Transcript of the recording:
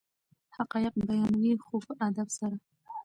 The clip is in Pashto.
حقایق بیانوي خو په ادب سره.